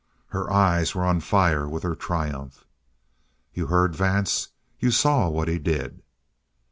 Her eyes were on fire with her triumph. "You heard, Vance? You saw what he did?"